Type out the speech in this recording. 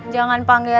jangan panggil aku